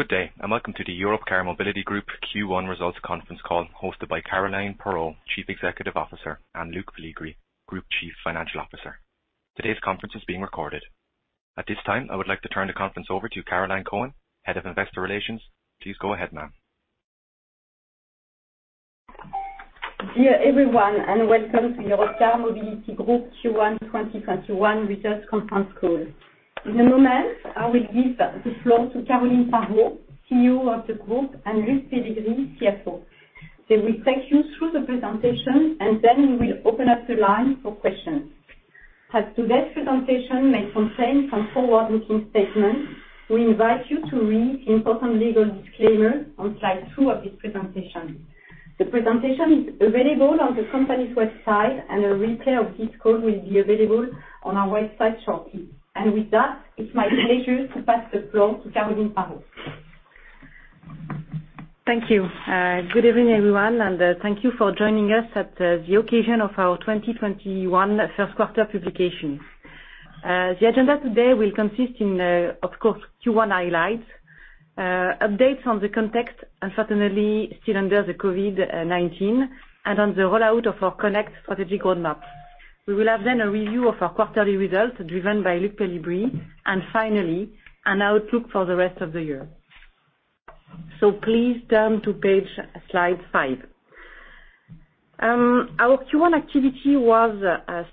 Good day, and welcome to the Europcar Mobility Group Q1 results conference call, hosted by Caroline Parot, Chief Executive Officer, and Luc Péligry, Group Chief Financial Officer. Today's conference is being recorded. At this time, I would like to turn the conference over to Caroline Cohen, Head of Investor Relations. Please go ahead, ma'am. Dear everyone, welcome to Europcar Mobility Group Q1 2021 Results Conference Call. In a moment, I will give the floor to Caroline Parot, CEO of the group, and Luc Péligry, CFO. They will take you through the presentation, and then we will open up the line for questions. As today's presentation may contain some forward-looking statements, we invite you to read the important legal disclaimer on slide 2 of this presentation. The presentation is available on the company's website, and a replay of this call will be available on our website shortly. With that, it's my pleasure to pass the floor to Caroline Parot. Thank you. Good evening, everyone, and thank you for joining us at the occasion of our 2021 1st quarter publication. The agenda today will consist in, of course, Q1 highlights, updates on the context, unfortunately still under the COVID-19, and on the rollout of our Connect strategic roadmap. We will have then a review of our quarterly results, driven by Luc Péligry, and finally, an outlook for the rest of the year. Please turn to slide 5. Our Q1 activity was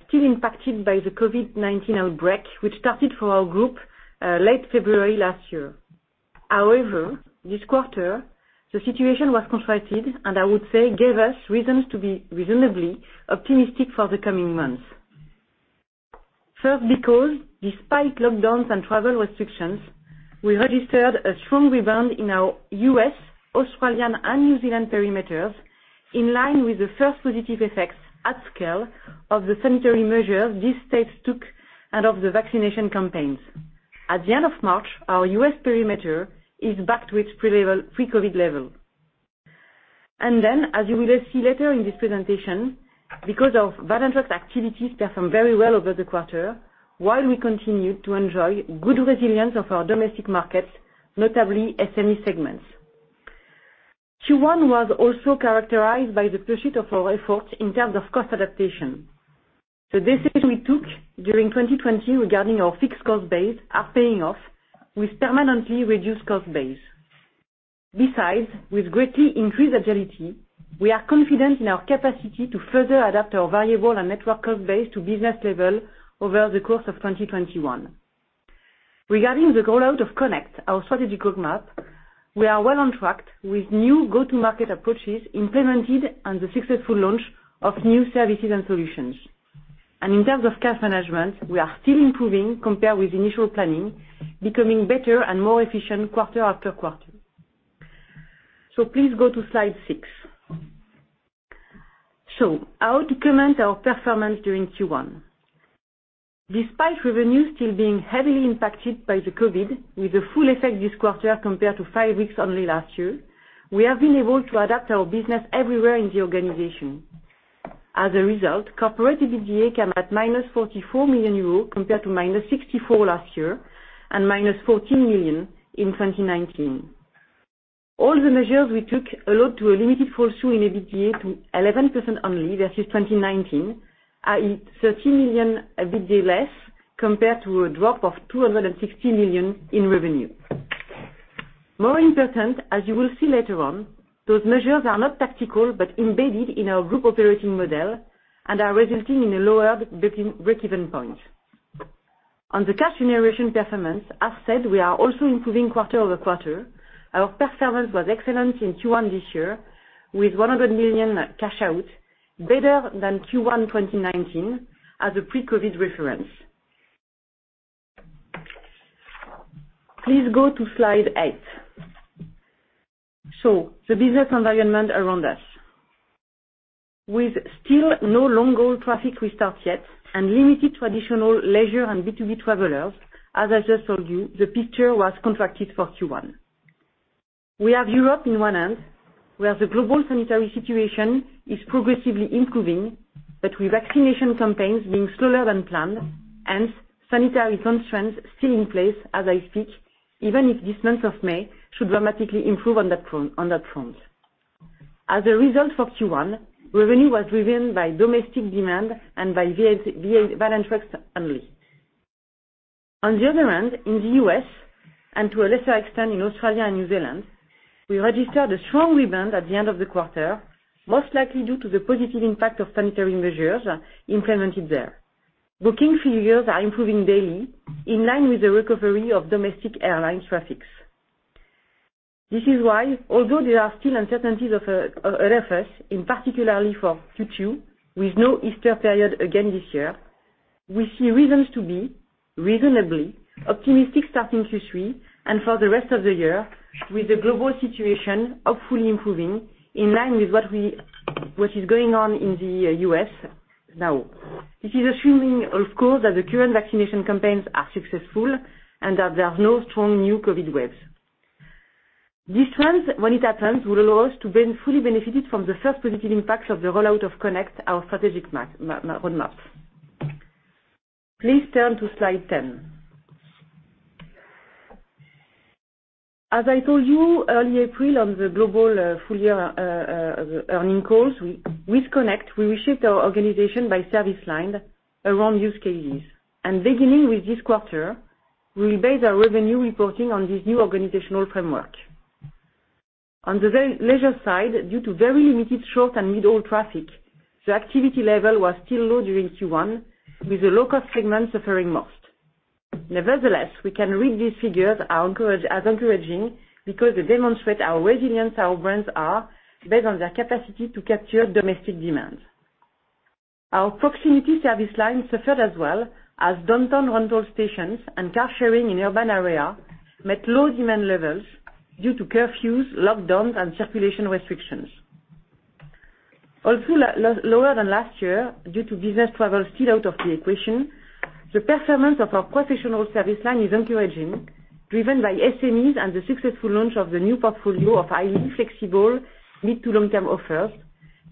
still impacted by the COVID-19 outbreak, which started for our group late February last year. This quarter, the situation was contracted, and I would say, gave us reasons to be reasonably optimistic for the coming months. Frist, because despite lockdowns and travel restrictions, we registered a strong rebound in our U.S., Australian, and New Zealand perimeters, in line with the 1st positive effects at scale of the sanitary measures these states took and of the vaccination campaigns. At the end of March, our U.S. perimeter is back to its pre-COVID-19 level. Then, as you will see later in this presentation, because our Vans & Trucks activities performed very well over the quarter, while we continued to enjoy good resilience of our domestic markets, notably SME segments. Q1 was also characterized by the pursuit of our efforts in terms of cost adaptation. The decisions we took during 2020 regarding our fixed cost base are paying off with permanently reduced cost base. Besides, with greatly increased agility, we are confident in our capacity to further adapt our variable and network cost base to business level over the course of 2021. Regarding the rollout of Connect, our strategic roadmap, we are well on track with new go-to-market approaches implemented and the successful launch of new services and solutions. In terms of cash management, we are still improving compared with initial planning, becoming better and more efficient quarter-after-quarter. Please go to slide 6. How to comment our performance during Q1? Despite revenue still being heavily impacted by the COVID-19, with the full effect this quarter compared to five weeks only last year, we have been able to adapt our business everywhere in the organization. As a result, corporate EBITDA came at -44 million euros, compared to -64 million last year, and -14 million in 2019. All the measures we took allowed to a limited fall through in EBITDA to 11% only versus 2019, i.e., 30 million EBITDA less, compared to a drop of 260 million in revenue. More in percent, as you will see later on, those measures are not tactical, but embedded in our group operating model and are resulting in a lower break-even point. On the cash generation performance, as said, we are also improving quarter-over-quarter. Our performance was excellent in Q1 this year, with 100 million cash out, better than Q1 2019 as a pre-COVID-19 reference. Please go to slide 8. The business environment around us. With still no long-haul traffic restart yet and limited traditional leisure and B2B travelers, as I just told you, the picture was contracted for Q1. We have Europe in one hand, where the global sanitary situation is progressively improving, but with vaccination campaigns being slower than planned, hence sanitary constraints still in place as I speak, even if this month of May should dramatically improve on that front. As a result for Q1, revenue was driven by domestic demand and by Vans & Trucks only. On the other hand, in the U.S., and to a lesser extent in Australia and New Zealand, we registered a strong rebound at the end of the quarter, most likely due to the positive impact of sanitary measures implemented there. Booking figures are improving daily, in line with the recovery of domestic airline traffics. This is why, although there are still uncertainties ahead of us, in particular for Q2, with no Easter period again this year, we see reasons to be reasonably optimistic starting Q3 and for the rest of the year with the global situation hopefully improving in line with what is going on in the U.S. now. This is assuming, of course, that the current vaccination campaigns are successful and that there are no strong new COVID-19 waves. This trend, when it happens, will allow us to fully benefit from the 1st positive impacts of the rollout of Connect, our strategic roadmap. Please turn to Slide 10. As I told you early April on the global full-year earning calls, with Connect, we reshaped our organization by service line around use cases. Beginning with this quarter, we will base our revenue reporting on this new organizational framework. On the leisure side, due to very limited short and middle traffic, the activity level was still low during Q1, with the low-cost segment suffering most. Nevertheless, we can read these figures as encouraging because they demonstrate how resilient our brands are based on their capacity to capture domestic demands. Our proximity service line suffered as well as downtown rental stations and car sharing in urban area met low demand levels due to curfews, lockdowns, and circulation restrictions. Also, lower than last year due to business travel still out of the equation, the performance of our professional service line is encouraging, driven by SMEs and the successful launch of the new portfolio of highly flexible mid to long-term offers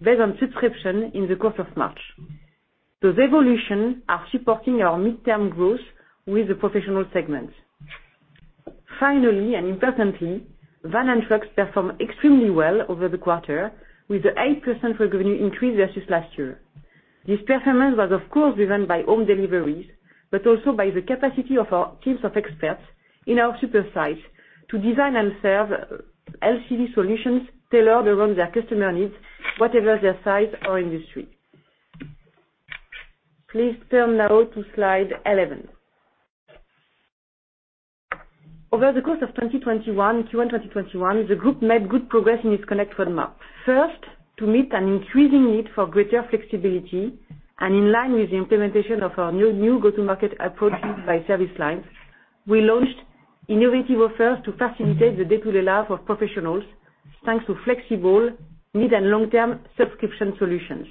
based on subscription in the course of March. Those evolution are supporting our midterm growth with the professional segment. Vans & Trucks performed extremely well over the quarter with 8% revenue increase versus last year. This performance was, of course, driven by home deliveries, but also by the capacity of our teams of experts in our super sites to design and serve LCV solutions tailored around their customer needs, whatever their size or industry. Please turn now to Slide 11. Over the course of 2021, Q1 2021, the group made good progress in its Connect roadmap. To meet an increasing need for greater flexibility and in line with the implementation of our new go-to-market approaches by service lines, we launched innovative offers to facilitate the day-to-day life of professionals, thanks to flexible mid and long term subscription solutions.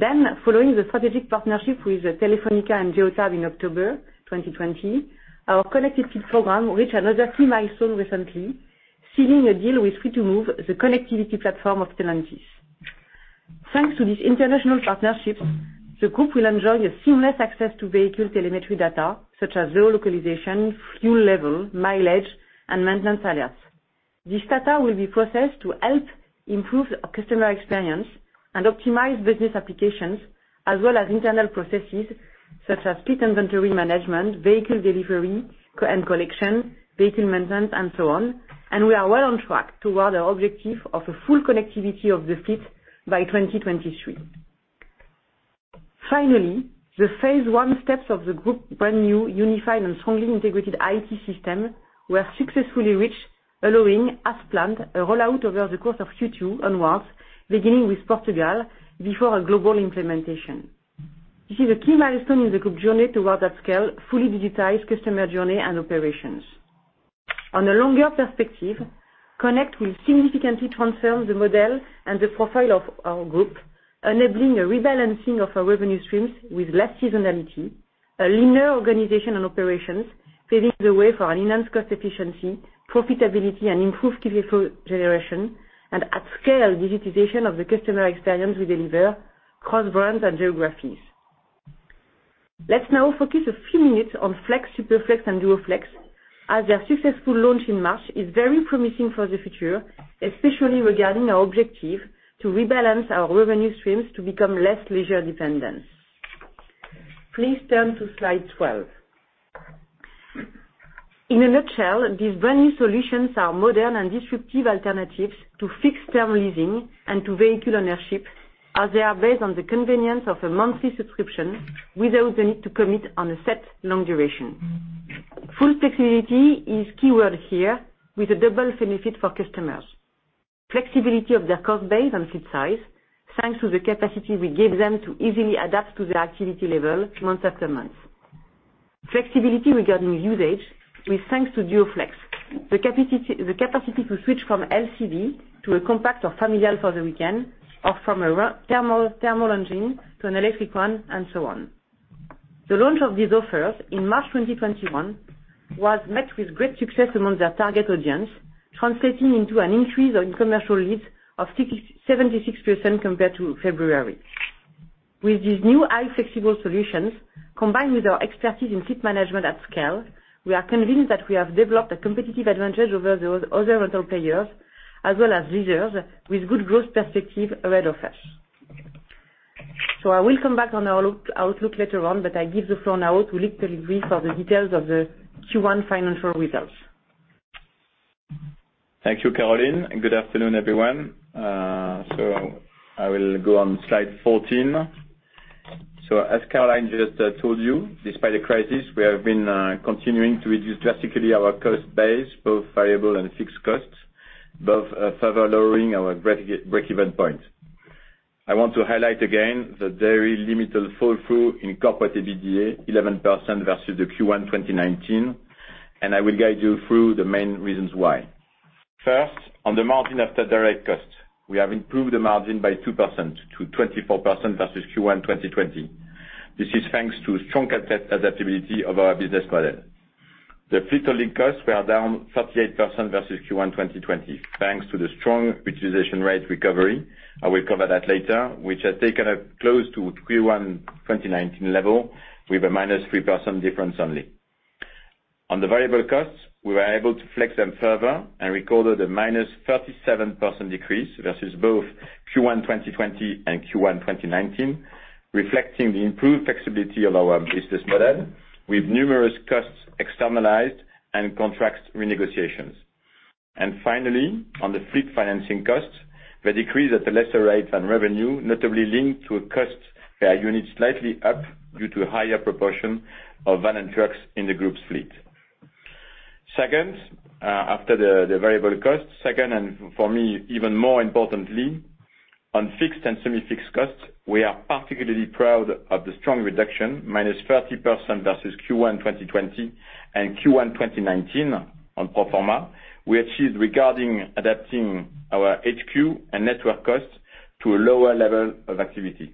Following the strategic partnership with Telefónica and Geotab in October 2020, our connectivity program reached another key milestone recently, sealing a deal with Free2move, the connectivity platform of Stellantis. Thanks to these international partnerships, the group will enjoy a seamless access to vehicle telemetry data such as geolocalization, fuel level, mileage, and maintenance alerts. This data will be processed to help improve customer experience and optimize business applications as well as internal processes such as fleet inventory management, vehicle delivery and collection, vehicle maintenance, and so on, and we are well on track toward our objective of a full connectivity of the fleet by 2023. Finally, the phase 1 steps of the group brand new unified and strongly integrated IT system were successfully reached, allowing, as planned, a rollout over the course of Q2 onwards, beginning with Portugal before a global implementation. This is a key milestone in the group journey towards at scale, fully digitized customer journey and operations. On a longer perspective, Connect will significantly transform the model and the profile of our group, enabling a rebalancing of our revenue streams with less seasonality, a linear organization and operations, paving the way for an enhanced cost efficiency, profitability, and improved cash flow generation, and at scale digitization of the customer experience we deliver, cross-brands and geographies. Let's now focus a few minutes on Flex, Superflex, and DuoFlex, as their successful launch in March is very promising for the future, especially regarding our objective to rebalance our revenue streams to become less leisure dependent. Please turn to Slide 12. In a nutshell, these brand-new solutions are modern and disruptive alternatives to fixed-term leasing and to vehicle ownership, as they are based on the convenience of a monthly subscription without the need to commit on a set long duration. Full flexibility is keyword here with a double benefit for customers. Flexibility of their cost base and fleet size, thanks to the capacity we give them to easily adapt to their activity level month-after-month. Flexibility regarding usage is thanks to DuoFlex, the capacity to switch from LCV to a compact or familial for the weekend, or from a thermal engine to an electric one, and so on. The launch of these offers in March 2021 was met with great success among their target audience, translating into an increase in commercial leads of 76% compared to February. With these new high flexible solutions, combined with our expertise in fleet management at scale, we are convinced that we have developed a competitive advantage over the other rental players, as well as leisure, with good growth perspective ahead of us. I will come back on our outlook later on, but I give the floor now to Luc Péligry for the details of the Q1 financial results. Thank you, Caroline. Good afternoon, everyone. I will go on Slide 14. As Caroline just told you, despite the crisis, we have been continuing to reduce drastically our cost base, both variable and fixed costs, both further lowering our break-even point. I want to highlight again the very limited fall through in corporate EBITDA, 11% versus the Q1 2019, and I will guide you through the main reasons why. 1st, on the margin after direct cost, we have improved the margin by 2%-24% versus Q1 2020. This is thanks to strong adaptability of our business model. The fleet-linked costs were down 38% versus Q1 2020, thanks to the strong utilization rate recovery, I will cover that later, which has taken up close to Q1 2019 level, with a minus 3% difference only. On the variable costs, we were able to flex them further and recorded a minus 37% decrease versus both Q1 2020 and Q1 2019, reflecting the improved flexibility of our business model, with numerous costs externalized and contract renegotiations. Finally, on the fleet financing costs, they decreased at a lesser rate than revenue, notably linked to a cost per unit slightly up due to a higher proportion of Vans & Trucks in the group's fleet. 2nd, after the variable costs, and for me, even more importantly, on fixed and semi-fixed costs, we are particularly proud of the strong reduction, minus 30% versus Q1 2020 and Q1 2019 on pro forma, we achieved regarding adapting our HQ and network costs to a lower level of activity.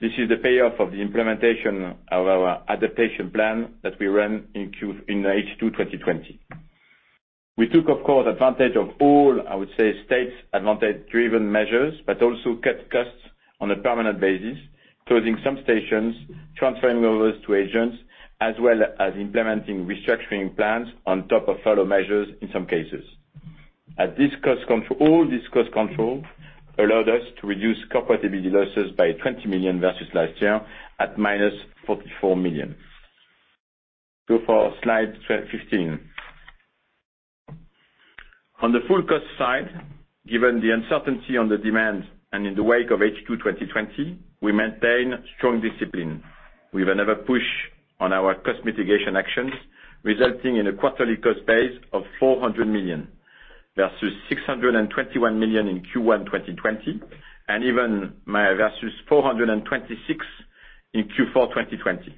This is the payoff of the implementation of our adaptation plan that we ran in H2 2020. We took, of course, advantage of all, I would say, state advantage-driven measures, but also cut costs on a permanent basis, closing some stations, transferring others to agents, as well as implementing restructuring plans on top of other measures, in some cases. All this cost control allowed us to reduce corporate EBITDA losses by 20 million versus last year, at minus 44 million. Go for slide 15. On the full cost side, given the uncertainty on the demand and in the wake of H2 2020, we maintain strong discipline with another push on our cost mitigation actions, resulting in a quarterly cost base of 400 million, versus 621 million in Q1 2020, and even versus 426 in Q4 2020.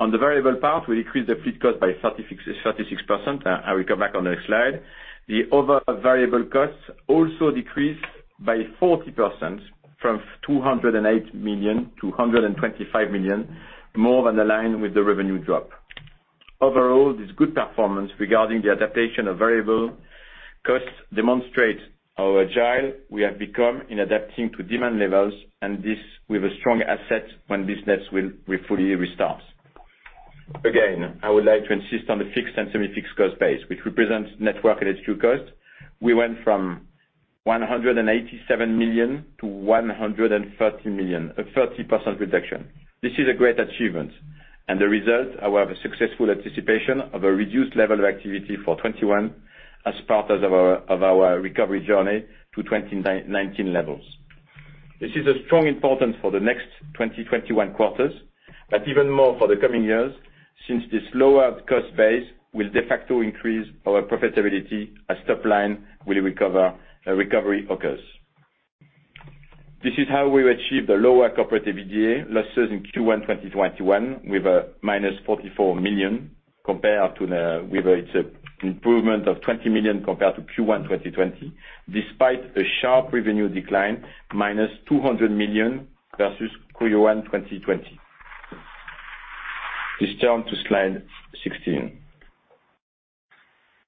On the variable part, we decreased the fleet cost by 36%. I will come back on the next slide. The other variable costs also decreased by 40%, from 208 million to 125 million, more than in line with the revenue drop. Overall, this good performance regarding the adaptation of variable costs demonstrate how agile we have become in adapting to demand levels, and this with a strong asset when business will fully restart. Again, I would like to insist on the fixed and semi-fixed cost base, which represents network and HQ cost. We went from 187 million to 130 million, a 30% reduction. This is a great achievement, and the result of a successful anticipation of a reduced level of activity for 2021 as part of our recovery journey to 2019 levels. This is a strong importance for the next 2021 quarters, but even more for the coming years, since this lower cost base will de facto increase our profitability as top line will recover, a recovery occurs. This is how we achieve the lower corporate EBITDA losses in Q1 2021, with a -44 million, with its improvement of 20 million compared to Q1 2020, despite a sharp revenue decline, -200 million versus Q1 2020. Please turn to slide 16.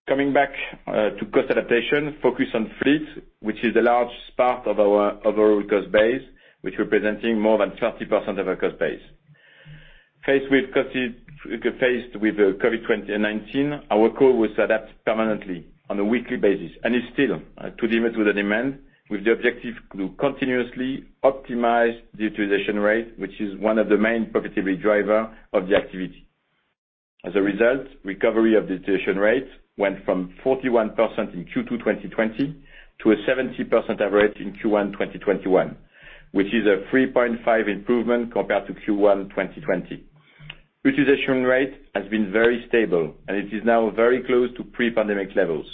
Coming back to cost adaptation, focus on fleet, which is the largest part of our overall cost base, which representing more than 30% of our cost base. Faced with COVID-19, our core was adapt permanently on a weekly basis, and it's still, to limit to the demand, with the objective to continuously optimize the utilization rate, which is one of the main profitability driver of the activity. As a result, recovery of the utilization rate went from 41% in Q2 2020 to a 70% average in Q1 2021, which is a 3.5 improvement compared to Q1 2020. Utilization rate has been very stable. It is now very close to pre-pandemic levels,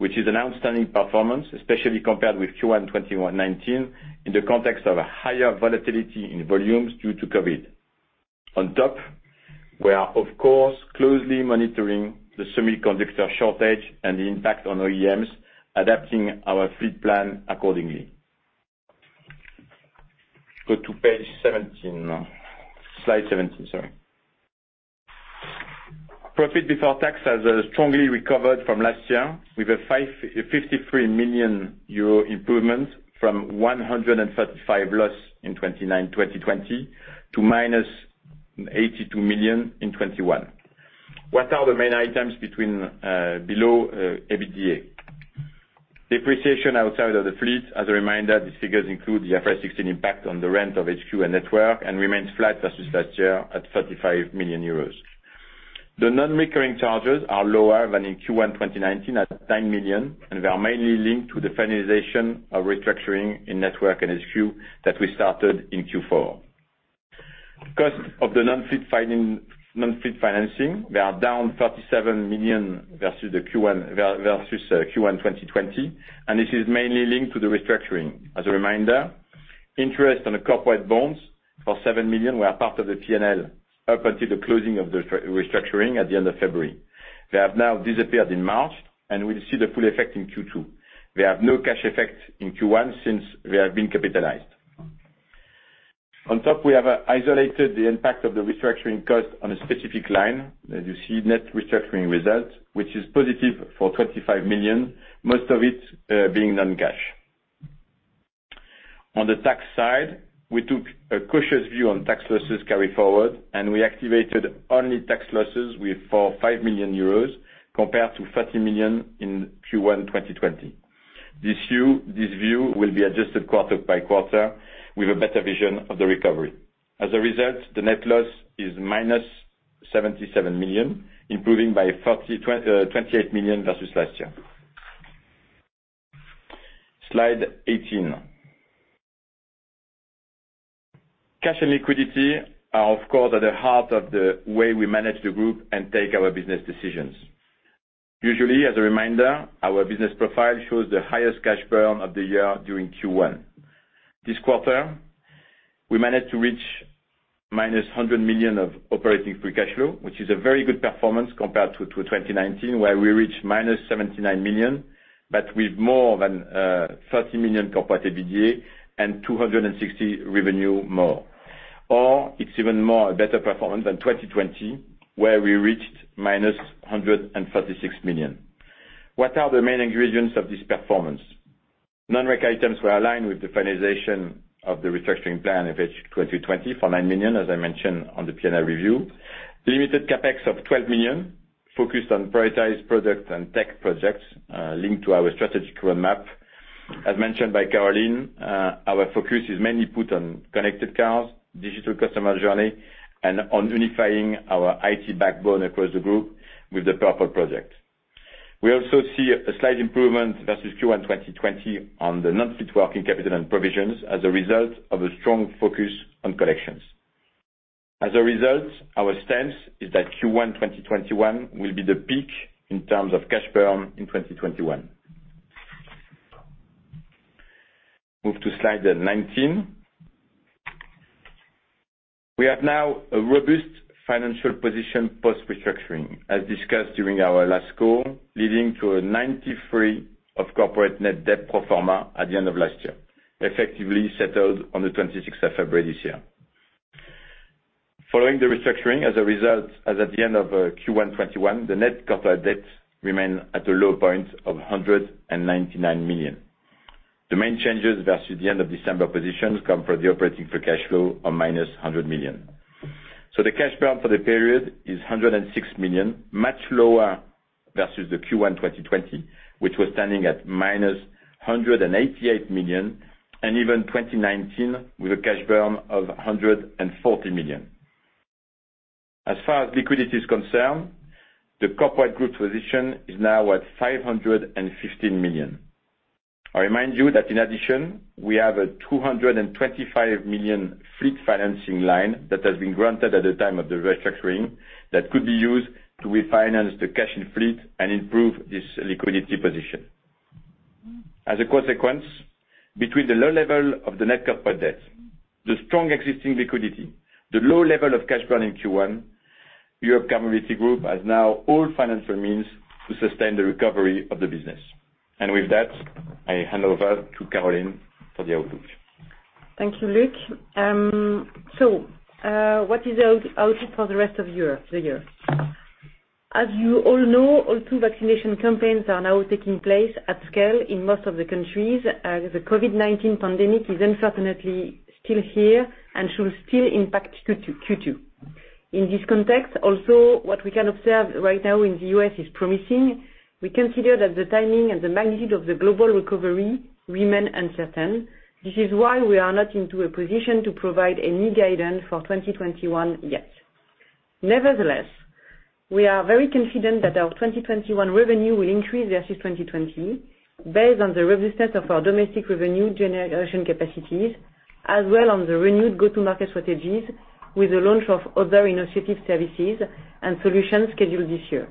which is an outstanding performance, especially compared with Q1 2019, in the context of a higher volatility in volumes due to COVID-19. On top, we are, of course, closely monitoring the semiconductor shortage and the impact on OEMs, adapting our fleet plan accordingly. Go to page 17. Slide 17, sorry. Profit before tax has strongly recovered from last year, with a 53 million euro improvement from 135 million loss in 2020 to minus 82 million in 2021. What are the main items below EBITDA? Depreciation outside of the fleet, as a reminder, these figures include the IFRS 16 impact on the rent of HQ and network, and remains flat versus last year at 35 million euros. The non-recurring charges are lower than in Q1 2019 at 9 million, and they are mainly linked to the finalization of restructuring in network and HQ that we started in Q4. Cost of the non-fleet financing, they are down 37 million versus Q1 2020, and this is mainly linked to the restructuring. As a reminder, interest on the corporate bonds for 7 million were part of the P&L up until the closing of the restructuring at the end of February. They have now disappeared in March, and we'll see the full effect in Q2. They have no cash effect in Q1 since they have been capitalized. On top, we have isolated the impact of the restructuring cost on a specific line. As you see, net restructuring results, which is positive for 25 million, most of it being non-cash. On the tax side, we took a cautious view on tax losses carry forward, and we activated only tax losses for 5 million euros compared to 30 million in Q1 2020. This view will be adjusted quarter-by-quarter with a better vision of the recovery. As a result, the net loss is -77 million, improving by 28 million versus last year. Slide 18. Cash and liquidity are, of course, at the heart of the way we manage the group and take our business decisions. Usually, as a reminder, our business profile shows the highest cash burn of the year during Q1. This quarter, we managed to reach -100 million of operating free cash flow, which is a very good performance compared to 2019, where we reached -79 million, but with more than 30 million corporate EBITDA and 260 revenue more. It's even more a better performance than 2020, where we reached -136 million. What are the main ingredients of this performance? Non-rec items were aligned with the finalization of the restructuring plan of H2 2020 for 9 million, as I mentioned on the P&L review. Limited CapEx of 12 million, focused on prioritized products and tech projects linked to our strategic roadmap. As mentioned by Caroline, our focus is mainly put on connected cars, digital customer journey, and on unifying our IT backbone across the group with the Purple project. We also see a slight improvement versus Q1 2020 on the non-fleet working capital and provisions as a result of a strong focus on collections. As a result, our stance is that Q1 2021 will be the peak in terms of cash burn in 2021. Move to slide 19. We have now a robust financial position post-restructuring, as discussed during our last call, leading to a net debt pro forma of EUR 93 million at the end of last year, effectively settled on the 26th of February this year. Following the restructuring, as a result, as at the end of Q1 2021, the net corporate debt remains at a low point of 199 million. The main changes versus the end of December positions come from the operating free cash flow of -100 million. The cash burn for the period is 106 million, much lower versus the Q1 2020, which was standing at -188 million, and even 2019, with a cash burn of 140 million. As far as liquidity is concerned, the corporate group position is now at 515 million. I remind you that in addition, we have a 225 million fleet financing line that has been granted at the time of the restructuring that could be used to refinance the cash in fleet and improve this liquidity position. As a consequence, between the low level of the net corporate debt, the strong existing liquidity, the low level of cash burn in Q1, Europcar Mobility Group has now all financial means to sustain the recovery of the business. With that, I hand over to Caroline for the outlook. Thank you, Luc. What is the outlook for the rest of the year? As you all know, all two vaccination campaigns are now taking place at scale in most of the countries. The COVID-19 pandemic is unfortunately still here and should still impact Q2. In this context, also, what we can observe right now in the U.S. is promising. We consider that the timing and the magnitude of the global recovery remain uncertain. This is why we are not into a position to provide any guidance for 2021 yet. Nevertheless, we are very confident that our 2021 revenue will increase versus 2020, based on the resistance of our domestic revenue generation capacities, as well as on the renewed go-to-market strategies with the launch of other innovative services and solutions scheduled this year.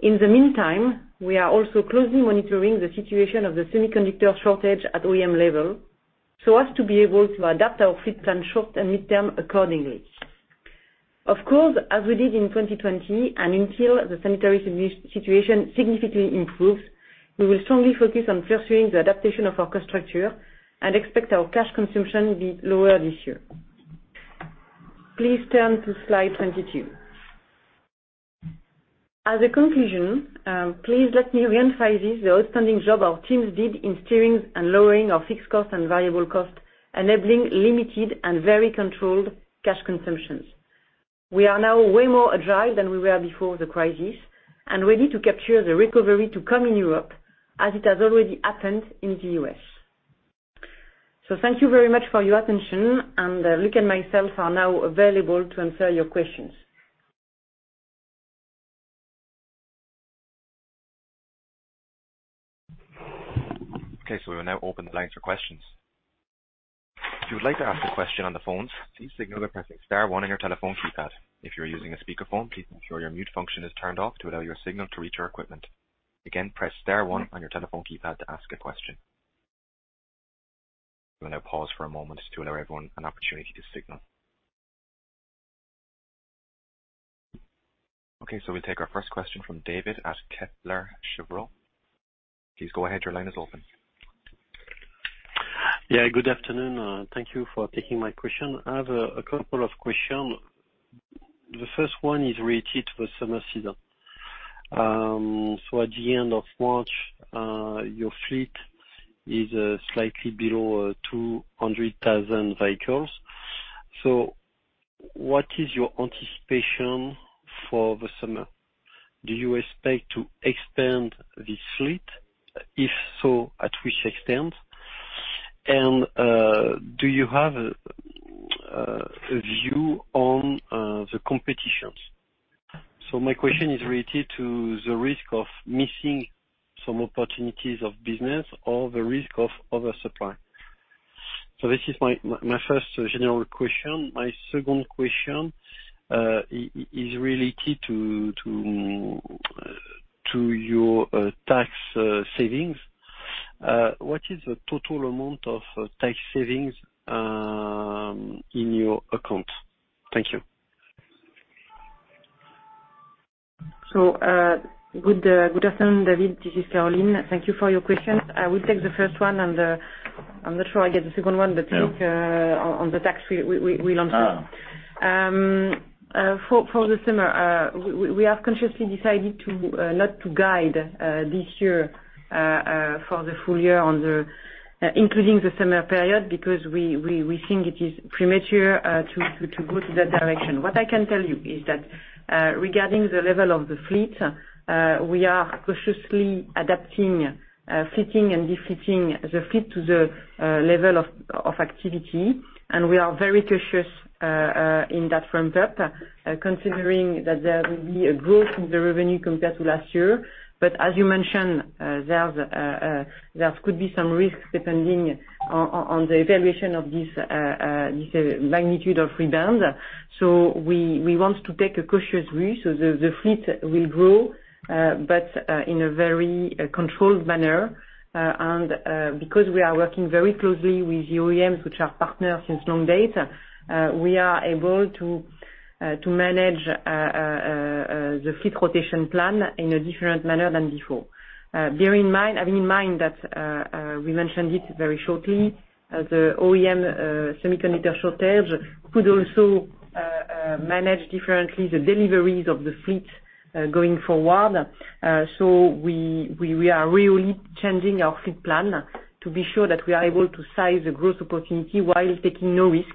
In the meantime, we are also closely monitoring the situation of the semiconductor shortage at OEM level, so as to be able to adapt our fleet plan short and midterm accordingly. Of course, as we did in 2020, and until the sanitary situation significantly improves, we will strongly focus on pursuing the adaptation of our cost structure and expect our cash consumption will be lower this year. Please turn to slide 22. As a conclusion, please let me reemphasize the outstanding job our teams did in steering and lowering our fixed costs and variable costs, enabling limited and very controlled cash consumptions. We are now way more agile than we were before the crisis, and ready to capture the recovery to come in Europe, as it has already happened in the U.S. Thank you very much for your attention, and Luc and myself are now available to answer your questions. Okay, so we will now open the lines for questions. If you would like to ask a question on the phones, please signal by pressing star one on your telephone keypad. If you're using a speakerphone, please make sure your mute function is turned off to allow your signal to reach our equipment. Again, press star one on your telephone keypad to ask a question. We'll now pause for a moment to allow everyone an opportunity to signal Okay, we'll take our 1st question from David at Kepler Cheuvreux. Please go ahead. Your line is open. Yeah, good afternoon. Thank you for taking my question. I have a couple of questions. The 1st one is related to the summer season. At the end of March, your fleet is slightly below 200,000 vehicles. What is your anticipation for the summer? Do you expect to expand the fleet? If so, to what extent? Do you have a view on the competitions? My question is related to the risk of missing some opportunities of business or the risk of oversupply. This is my 1st general question. My 2nd question is related to your tax savings. What is the total amount of tax savings in your account? Thank you. Good afternoon, David. This is Caroline. Thank you for your question. I will take the 1st one, and I'm not sure I'll get the 2nd one. Yeah Think on the tax we launch it. For the summer, we have consciously decided not to guide this year for the full year including the summer period, because we think it is premature to go to that direction. What I can tell you is that, regarding the level of the fleet, we are cautiously adapting, fitting, and defitting the fleet to the level of activity, and we are very cautious in that ramp-up, considering that there will be a growth in the revenue compared to last year. As you mentioned, there could be some risks depending on the evaluation of this magnitude of rebound. We want to take a cautious view. The fleet will grow, but in a very controlled manner. Because we are working very closely with the OEMs, which are partners since long date, we are able to manage the fleet rotation plan in a different manner than before. Having in mind that we mentioned it very shortly, the OEM semiconductor shortage could also manage differently the deliveries of the fleet going forward. We are really changing our fleet plan to be sure that we are able to size the growth opportunity while taking no risk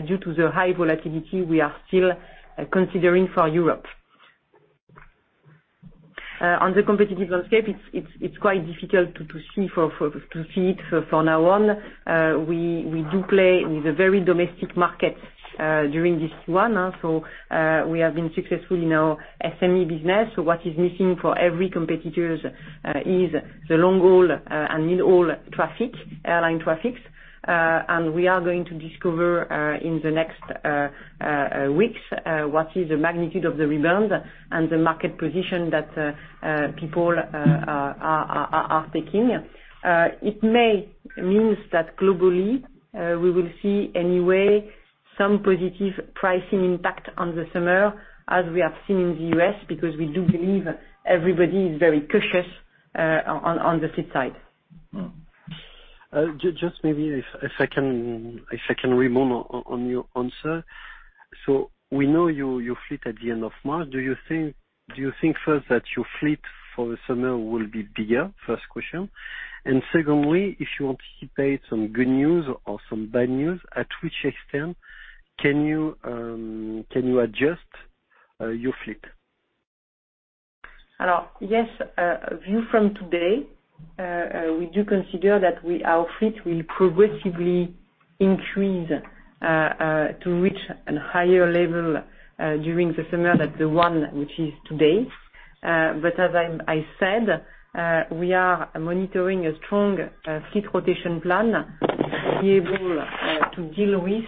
due to the high volatility we are still considering for Europe. On the competitive landscape, it's quite difficult to see it from now on. We do play with a very domestic market during this one. We have been successful in our SME business. What is missing for every competitor is the long-haul and mid-haul traffic, airline traffics. We are going to discover in the next weeks what is the magnitude of the rebound and the market position that people are taking. It may mean that globally, we will see anyway some positive pricing impact on the summer, as we have seen in the U.S., because we do believe everybody is very cautious on the fleet side. Just maybe if I can remain on your answer. We know your fleet at the end of March. Do you think, 1st, that your fleet for the summer will be bigger? 1st question. Secondly, if you anticipate some good news or some bad news, at which extent can you adjust your fleet? Yes. View from today, we do consider that our fleet will progressively increase to reach a higher level during the summer than the one which is today. As I said, we are monitoring a strong fleet rotation plan to be able to deal with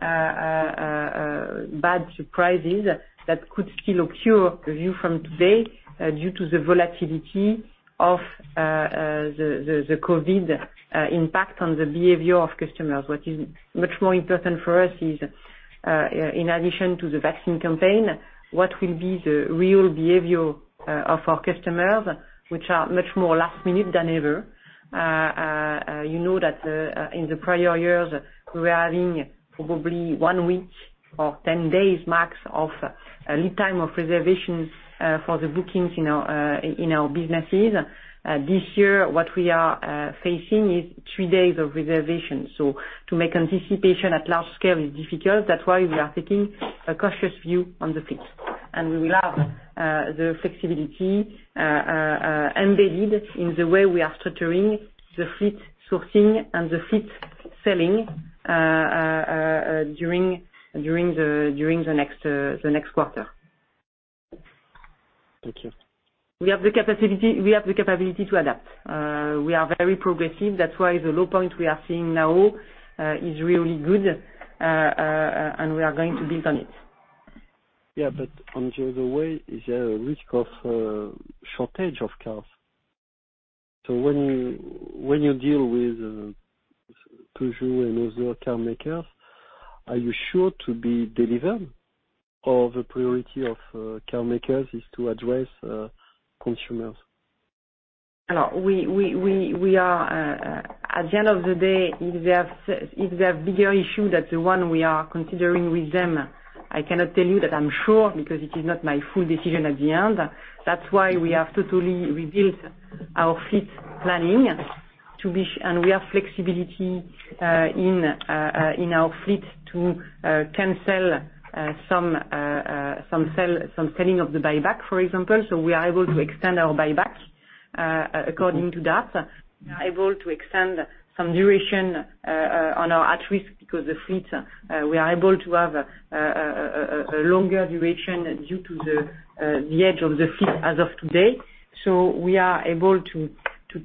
bad surprises that could still occur, view from today, due to the volatility of the COVID-19 impact on the behavior of customers. What is much more important for us is, in addition to the vaccine campaign, what will be the real behavior of our customers, which are much more last-minute than ever. You know that in the prior years, we were having probably one week or 10 days max of lead time of reservations for the bookings in our businesses. This year, what we are facing is three days of reservation. To make anticipation at large scale is difficult. That's why we are taking a cautious view on the fleet. We will have the flexibility embedded in the way we are structuring the fleet sourcing and the fleet selling during the next quarter. Thank you. We have the capability to adapt. We are very progressive. That's why the low point we are seeing now is really good. We are going to build on it. Yeah. On the other way, is there a risk of shortage of cars? When you deal with Peugeot and other car makers, are you sure to be delivered? The priority of car makers is to address consumers? At the end of the day, if they have bigger issue than the one we are considering with them, I cannot tell you that I'm sure, because it is not my full decision at the end. We have totally rebuilt our fleet planning, and we have flexibility in our fleet to cancel some selling of the buyback, for example. We are able to extend our buyback according to that. We are able to extend some duration on our at-risk because the fleet, we are able to have a longer duration due to the age of the fleet as of today. We are able to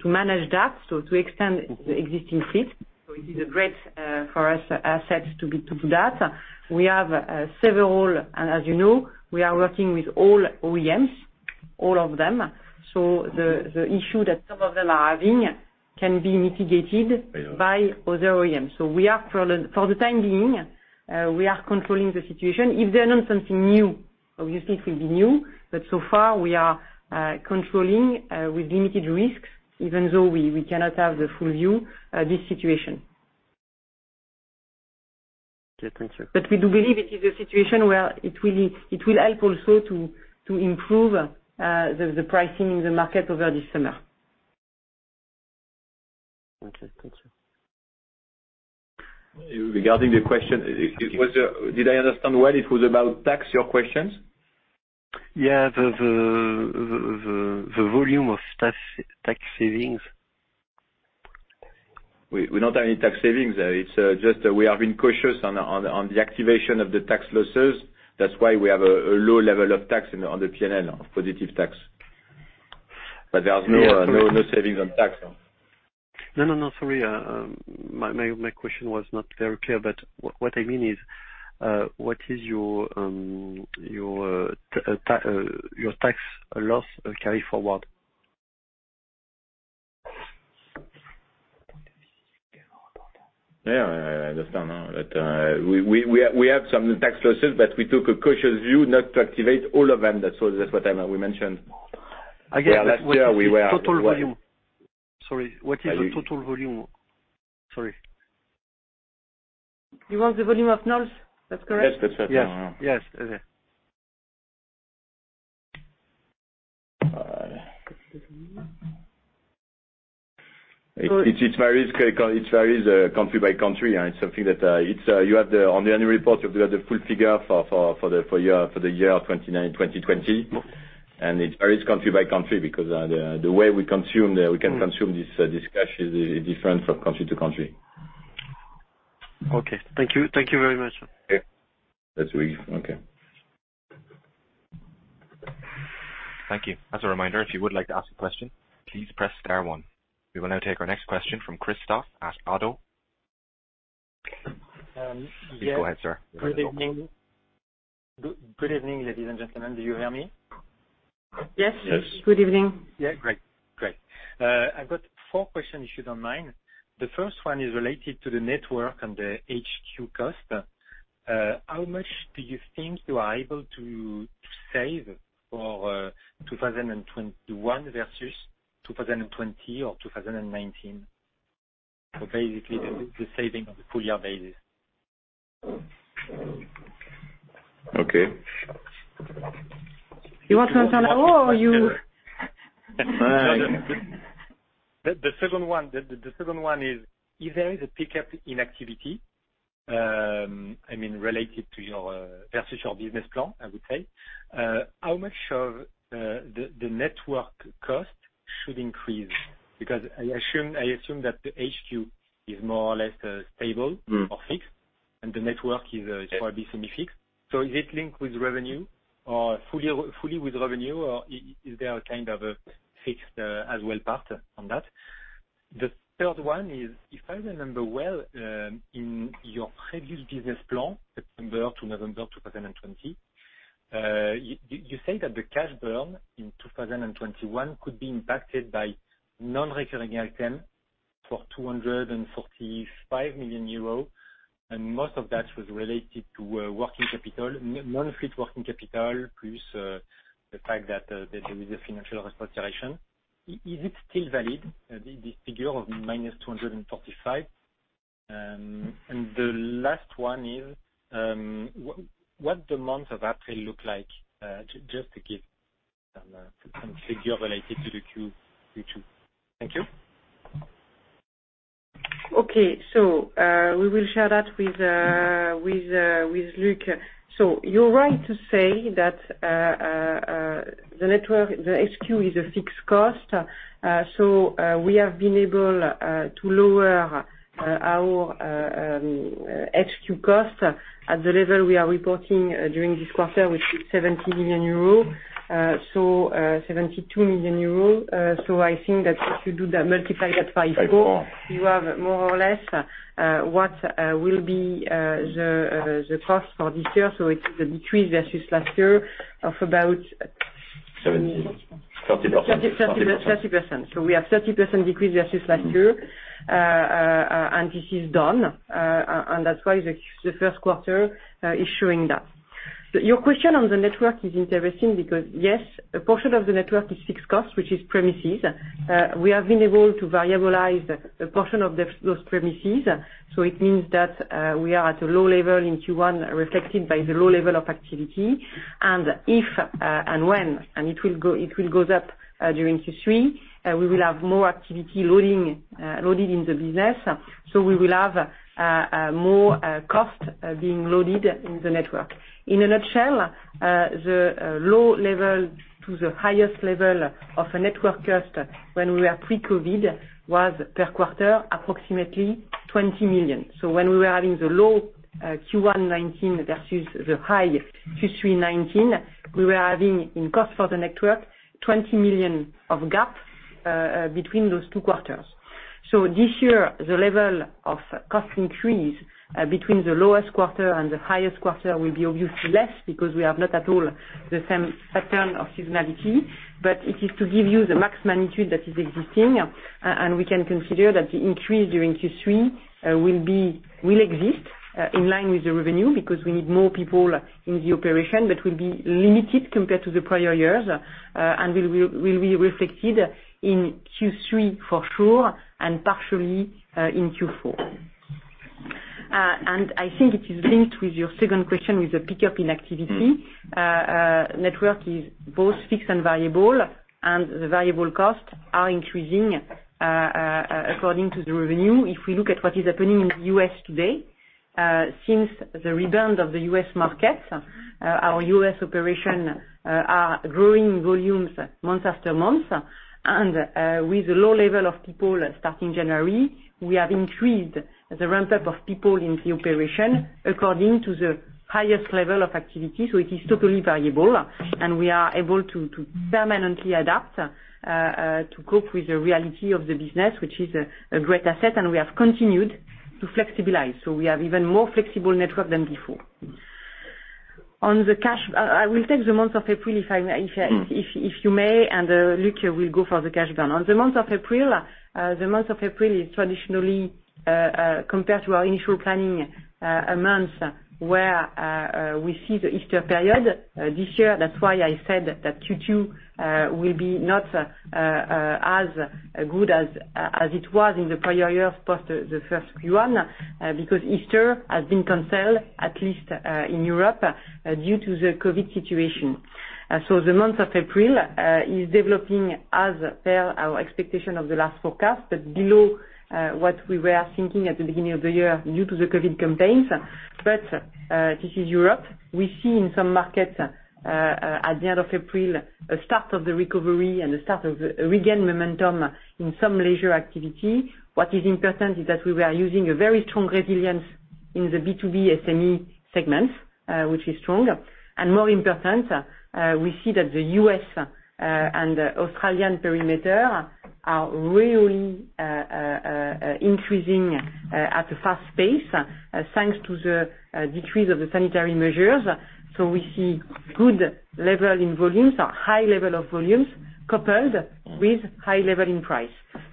manage that, so to extend the existing fleet. It is a great asset for us to do that. We have several, and as you know, we are working with all OEMs, all of them. The issue that some of them are having can be mitigated by other OEMs. For the time being, we are controlling the situation. If there's something new, obviously it will be new. So far, we are controlling with limited risks, even though we cannot have the full view of this situation. Okay, thank you. We do believe it is a situation where it will help also to improve the pricing in the market over this summer. Okay. Thank you. Regarding the question, did I understand well it was about tax, your questions? Yeah, the volume of tax savings. We don't have any tax savings. It's just that we have been cautious on the activation of the tax losses. That's why we have a low level of tax on the P&L, positive tax. There's no savings on tax. No, sorry. My question was not very clear, but what I mean is, what is your tax loss carry forward? Yeah, I understand now. We have some tax losses, but we took a cautious view not to activate all of them. That's what we mentioned. I get- Last year we were- What is the total volume? Sorry. You want the volume of NOLs? That's correct? Yes. Yes. It varies country by country. On the annual report, you have the full figure for the year 2020. It varies country by country because the way we can consume this cash is different from country to country. Okay. Thank you very much. Okay. Thank you. As a reminder, if you would like to ask a question, please press star one. We will now take our next question from Christophe at Oddo. Please go ahead, sir. Good evening, ladies and gentlemen. Do you hear me? Yes. Yes. Good evening. Yeah, great. I've got four questions, if you don't mind. The 1st one is related to the network and the HQ cost. How much do you think you are able to save for 2021 versus 2020 or 2019? Basically, the saving on a full year basis. Okay. You want to answer or you. The 2nd one is, if there is a pickup in activity, related versus your business plan, I would say, how much of the network cost should increase? Because I assume that the HQ is more or less stable or fixed, and the network is probably semi-fixed. Is it linked with revenue, or fully with revenue, or is there a kind of a fixed as well part on that? The 3rd one is, if I remember well, in your previous business plan, September to November 2020, you say that the cash burn in 2021 could be impacted by non-recurring item for 245 million euros, and most of that was related to working capital, non-fleet working capital, plus the fact that there is a financial restructuring. Is it still valid, this figure of -245? The last one is, what the month of April look like, just to give some figure related to the Q2. Thank you. Okay. We will share that with Luc. You're right to say that the HQ is a fixed cost. We have been able to lower our HQ cost at the level we are reporting during this quarter, which is 70 million euros, 72 million euros. I think that if you multiply that by four, you have more or less what will be the cost for this year. It is a decrease versus last year of about 30%. We have 30% decrease versus last year, and this is done. That's why the 1st quarter is showing that. Your question on the network is interesting because, yes, a portion of the network is fixed cost, which is premises. We have been able to variabilize a portion of those premises, so it means that we are at a low level in Q1, reflected by the low level of activity. If and when, and it will go up during Q3, we will have more activity loading loaded in the business, so we will have more cost being loaded in the network. In a nutshell, the low level to the highest level of a network cost when we were pre-COVID-19 was, per quarter, approximately 20 million. When we were having the low Q1 2019 versus the high Q3 2019, we were having, in cost for the network, 20 million of gap between those two quarters. This year, the level of cost increase between the lowest quarter and the highest quarter will be obviously less because we have not at all the same pattern of seasonality. It is to give you the max magnitude that is existing, and we can consider that the increase during Q3 will exist in line with the revenue, because we need more people in the operation. Will be limited compared to the prior years, and will be reflected in Q3 for sure, and partially in Q4. I think it is linked with your 2nd question with the pickup in activity. Network is both fixed and variable, and the variable cost are increasing according to the revenue. If we look at what is happening in the U.S. today, since the rebound of the U.S. market, our U.S. operation are growing volumes month-after-month. With the low level of people starting January, we have increased the ramp-up of people in the operation according to the highest level of activity. It is totally variable, and we are able to permanently adapt to cope with the reality of the business, which is a great asset, and we have continued to flexibilize. We have even more flexible network than before. On the cash, I will take the month of April, if you may, and Luc will go for the cash burn. On the month of April, the month of April is traditionally, compared to our initial planning, a month where we see the Easter period. This year, that's why I said that Q2 will be not as good as it was in the prior years, post the 1st Q1, because Easter has been canceled, at least in Europe, due to the COVID-19 situation. The month of April is developing as per our expectation of the last forecast, but below what we were thinking at the beginning of the year due to the COVID-19 campaigns. This is Europe. We see in some markets, at the end of April, a start of the recovery and a start of regain momentum in some leisure activity. What is important is that we were using a very strong resilience in the B2B SME segment, which is strong. More important, we see that the U.S. and Australian perimeter are really increasing at a fast pace, thanks to the decrease of the sanitary measures. We see good level in volumes, or high level of volumes, coupled with high level in price.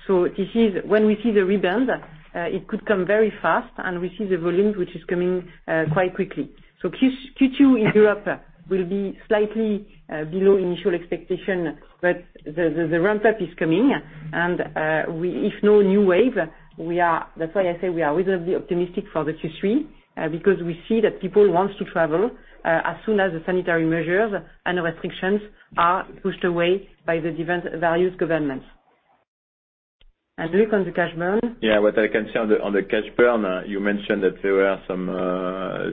When we see the rebound, it could come very fast, and we see the volumes, which is coming quite quickly. Q2 in Europe will be slightly below initial expectation, but the ramp-up is coming, and if no new wave, that's why I say we are reasonably optimistic for the Q3, because we see that people want to travel as soon as the sanitary measures and restrictions are pushed away by the various governments. And Luc, on the cash burn. What I can say on the cash burn, you mentioned that there were some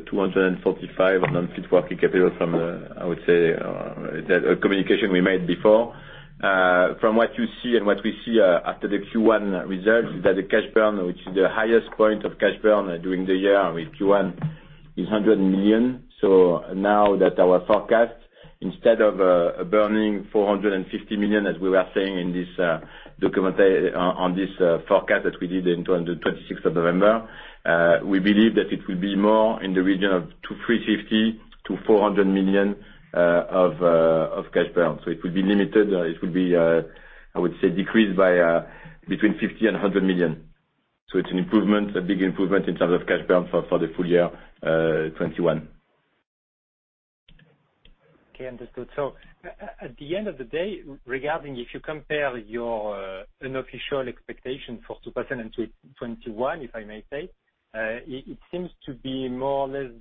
245 on fleet working capital from, I would say, that communication we made before. From what you see and what we see after the Q1 results is that the cash burn, which is the highest point of cash burn during the year with Q1, is 100 million. Now that our forecast, instead of burning 450 million, as we were saying on this forecast that we did in 26th of November, we believe that it will be more in the region of 350 million-400 million of cash burn. It will be limited. It will be, I would say, decreased by between 50 million and 100 million. It's an improvement, a big improvement in terms of cash burn for the full year 2021. Okay, understood. At the end of the day, regarding if you compare your unofficial expectation for 2021, if I may say, it seems to be more or less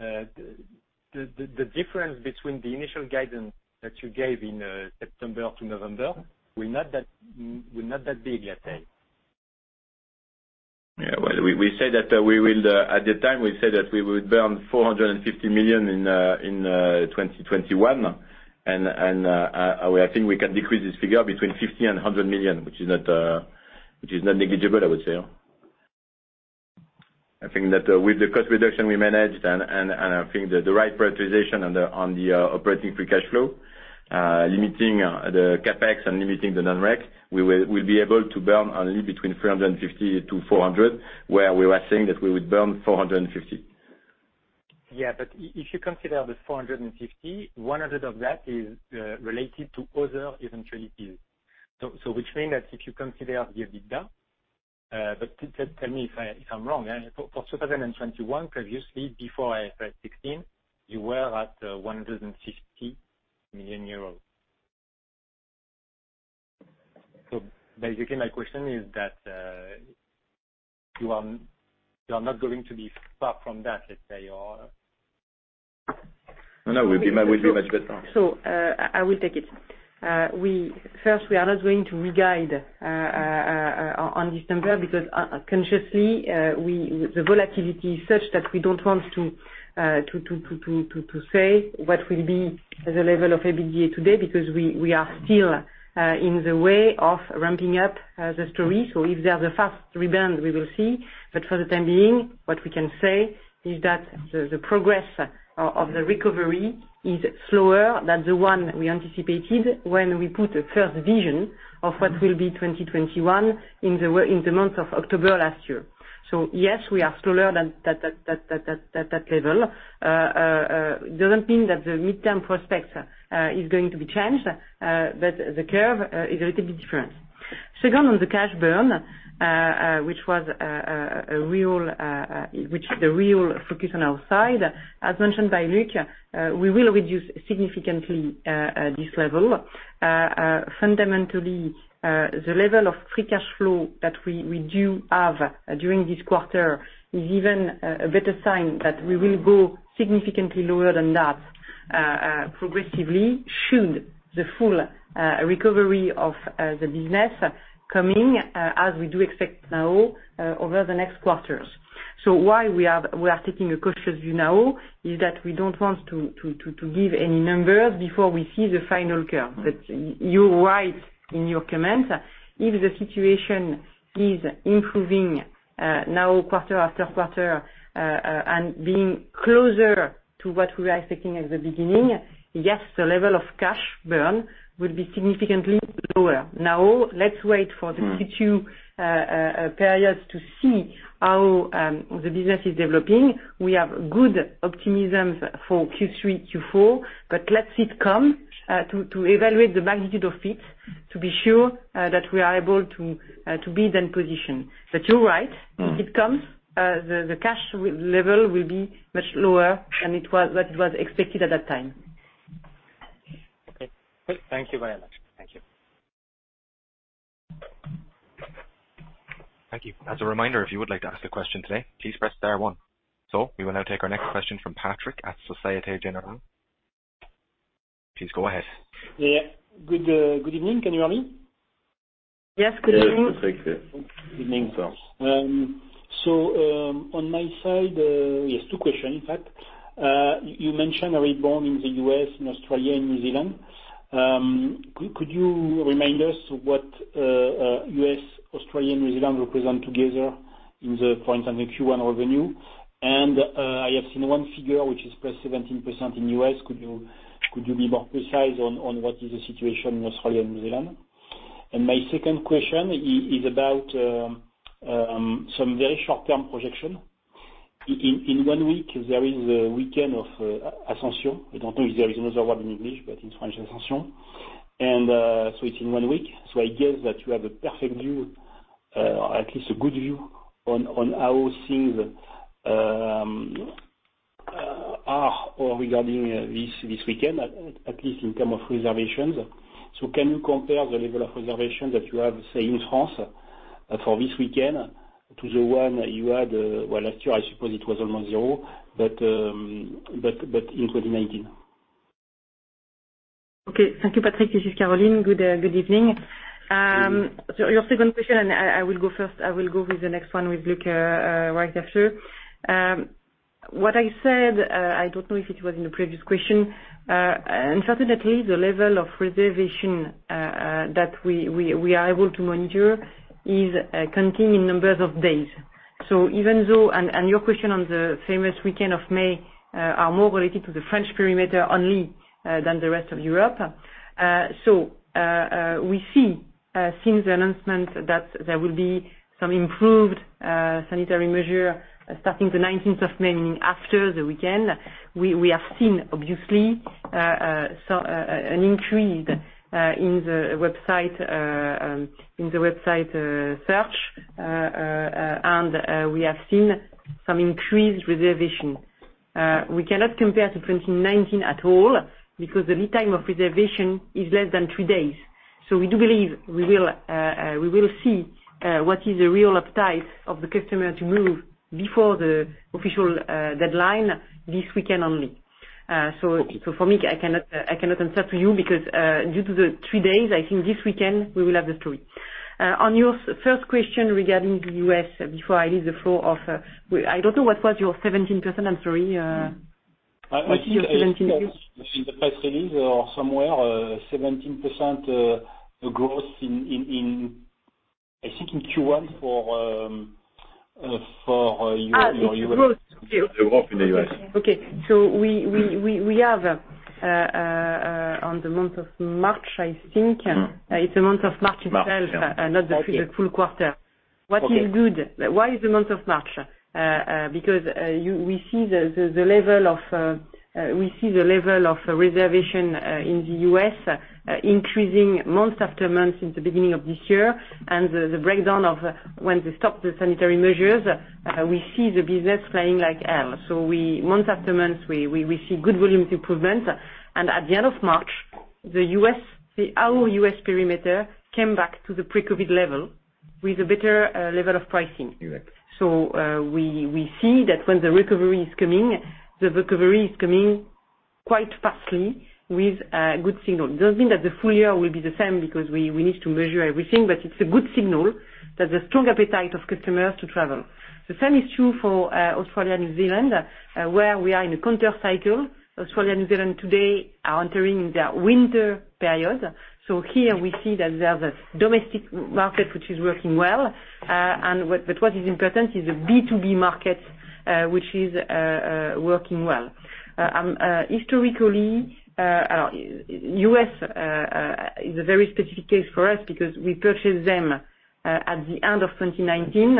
the difference between the initial guidance that you gave in September to November were not that big, let's say. Well, at the time, we said that we would burn 450 million in 2021, I think we can decrease this figure between 50 million and 100 million, which is not negligible, I would say. I think that with the cost reduction, we managed, I think the right prioritization on the operating free cash flow, limiting the CapEx and limiting the non-rec, we'll be able to burn only between 350 million to 400 million, where we were saying that we would burn 450 million. If you consider the 450 million, 100 million of that is related to other eventuality. Which means that if you consider the EBITDA, but tell me if I'm wrong. For 2021, previously, before IFRS 16, you were at EUR 150 million. Basically, my question is that you are not going to be far from that, let's say, or? No, we'll be much better. I will take it. 1st, we are not going to re-guide on December, because consciously, the volatility is such that we don't want to say what will be the level of EBITDA today, because we are still in the way of ramping up the story. If there's a fast rebound, we will see. For the time being, what we can say is that the progress of the recovery is slower than the one we anticipated when we put a 1st vision of what will be 2021 in the month of October last year. Yes, we are slower than that level. It doesn't mean that the midterm prospects is going to be changed, but the curve is a little bit different. 2nd, on the cash burn which the real focus on our side, as mentioned by Luc, we will reduce significantly this level. Fundamentally, the level of free cash flow that we do have during this quarter is even a better sign that we will go significantly lower than that progressively should the full recovery of the business coming, as we do expect now, over the next quarters. Why we are taking a cautious view now is that we don't want to give any numbers before we see the final curve. You're right in your comment. If the situation is improving now quarter-after-quarter, and being closer to what we were expecting at the beginning, yes, the level of cash burn will be significantly lower. Let's wait for the Q2 period to see how the business is developing. We have good optimism for Q3, Q4, but let it come to evaluate the magnitude of it, to be sure that we are able to be in position. You're right. It comes, the cash level will be much lower than what was expected at that time. Okay. Good. Thank you very much. Thank you. Thank you. As a reminder, if you would like to ask a question today, please press star one. We will now take our next question from Patrick at Société Générale. Please go ahead. Yeah. Good evening. Can you hear me? Yes, good evening. Yes, we can. Good evening, sir. On my side, yes, two questions, in fact. You mentioned a rebound in the U.S., in Australia, and New Zealand. Could you remind us what U.S., Australia, and New Zealand represent together in the, for instance, the Q1 revenue? I have seen one figure, which is +17% in U.S. Could you be more precise on what is the situation in Australia and New Zealand? My 2nd question is about some very short-term projection. In one week, there is a weekend of Ascension. I don't know if there is another word in English, but in French, Ascension. So it's in one week, so I guess that you have a perfect view, at least a good view, on how things are regarding this weekend, at least in terms of reservations. Can you compare the level of reservation that you have, say, in France for this weekend to the one you had Well, last year, I suppose it was almost zero, but in 2019. Okay. Thank you, Patrick. This is Caroline. Good evening. Good evening. Your 2nd question, and I will go first. I will go with the next one with Luc right after. What I said, I don't know if it was in the previous question. Certainly, the level of reservation that we are able to monitor is counting in numbers of days. Your question on the famous weekend of May are more related to the French perimeter only than the rest of Europe. We see, since the announcement that there will be some improved sanitary measure starting the 19th of May, meaning after the weekend, we have seen, obviously, an increase in the website search. We have seen some increased reservation. We cannot compare to 2019 at all because the lead time of reservation is less than three days. We do believe we will see what is the real appetite of the customer to move before the official deadline this weekend only. For me, I cannot answer to you because, due to the three days, I think this weekend we will have the story. On your 1st question regarding the U.S., before I leave the floor, I don't know, what was your 17%? I'm sorry. What's your 17%? I think in the press release or somewhere, 17% growth I think in Q1 for your-. It's growth. The growth in the U.S. Okay. We have on the month of March, I think. It's the month of March itself, not the full quarter. What is good? Why is the month of March? We see the level of reservation in the U.S. increasing month after month since the beginning of this year. The breakdown of when they stopped the sanitary measures, we see the business flying like hell. Month-after-month, we see good volume improvement. At the end of March, our U.S. perimeter came back to the pre-COVID-19 level with a better level of pricing. Correct. We see that when the recovery is coming, the recovery is coming quite fasten with a good signal. It doesn't mean that the full year will be the same, because we need to measure everything, but it's a good signal that the strong appetite of customers to travel. The same is true for Australia, New Zealand, where we are in a counter cycle. Australia, New Zealand today are entering their winter period. Here we see that they have a domestic market, which is working well. What is important is the B2B market, which is working well. Historically, U.S. is a very specific case for us because we purchased them at the end of 2019.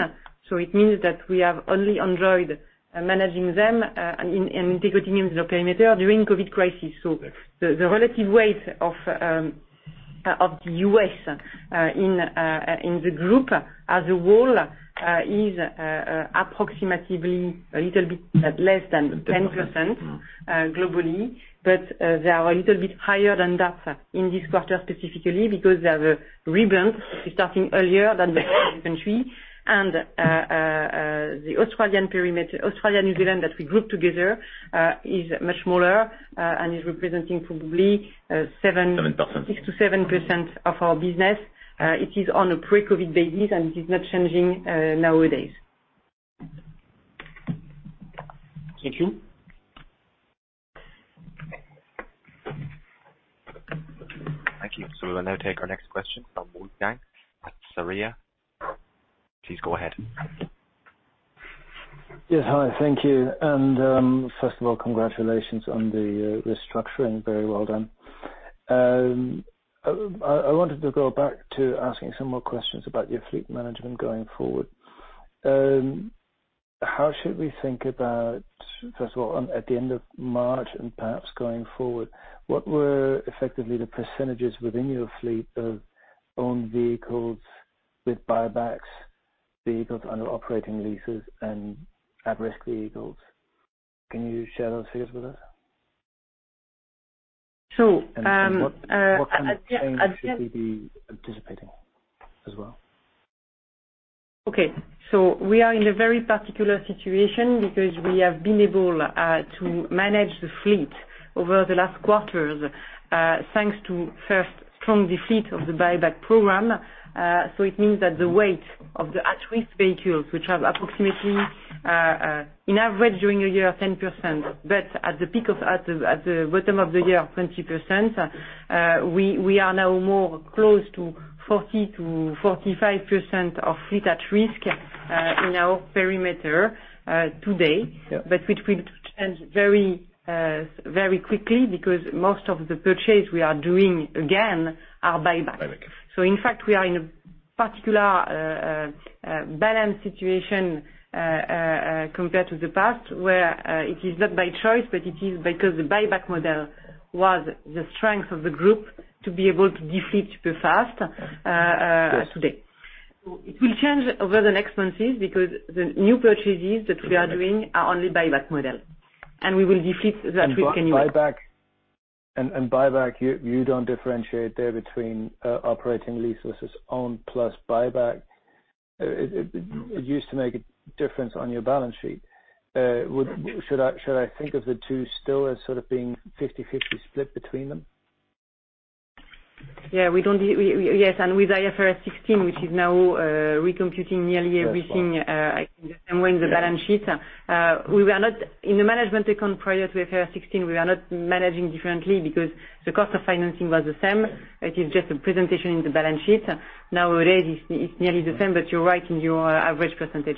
It means that we have only enjoyed managing them and integrating them in the perimeter during COVID crisis. The relative weight of the U.S. in the group as a whole is approximately a little bit less than 10% globally. They are a little bit higher than that in this quarter specifically because they have a rebound starting earlier than the rest of the country. The Australia, New Zealand that we group together is much smaller and is representing probably- 7% 6%-7% of our business. It is on a pre-COVID basis, and it is not changing nowadays. Thank you. Thank you. We will now take our next question from Wolfgang at Sarria. Please go ahead. Yes. Hi, thank you. First of all, congratulations on the restructuring. Very well done. I wanted to go back to asking some more questions about your fleet management going forward. How should we think about, first of all, at the end of March and perhaps going forward, what were effectively the percentages within your fleet of owned vehicles with buybacks, vehicles under operating leases, and at-risk vehicles? Can you share those figures with us? So- What kind of change should we be anticipating as well? Okay. We are in a very particular situation because we have been able to manage the fleet over the last quarters, thanks to, 1st, strong de-fleet of the buyback program. It means that the weight of the at-risk vehicles, which have approximately, on average during a year, 10%, but at the bottom of the year, 20%, we are now more close to 40%-45% of fleet at risk in our perimeter today. Yeah. Which will change very quickly because most of the purchase we are doing, again, are buyback. Buyback. In fact, we are in a particular balanced situation compared to the past, where it is not by choice, but it is because the buyback model was the strength of the group to be able to defeat super fast today. Yes. It will change over the next months because the new purchases that we are doing are only buyback model. We will defeat that fleet anyway. Buyback, you don't differentiate there between operating lease versus own plus buyback. It used to make a difference on your balance sheet. Should I think of the two still as sort of being 50/50 split between them? Yes, with IFRS 16, which is now recomputing nearly everything. That's right. I think, when the balance sheet. In the management account prior to IFRS 16, we are not managing differently because the cost of financing was the same. It is just a presentation in the balance sheet. Nowadays, it's nearly the same. You're right in your average percentage.